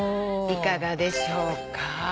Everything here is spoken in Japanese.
いかがでしょうか？